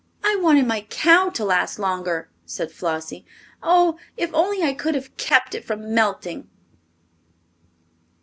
"I wanted my cow to last longer," said Flossie. "Oh, if only I could have kept it from melting!"